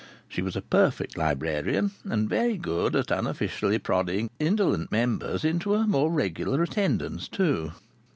She was a perfect librarian, and very good at unofficially prodding indolent members into a more regular attendance too.